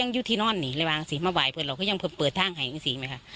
ยังยุทินอนหนีเลยว้างสิมาบ่ายเปิดหรอกก็ยังเปิดทางให้สิไหมคะ